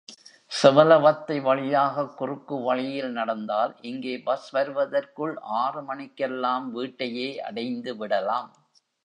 செவலவத்தை வழியாகக் குறுக்கு வழியில் நடந்தால், இங்கே பஸ் வருவதற்குள், ஆறு மணிக்கெல்லாம் வீட்டையே அடைந்து விடலாம்.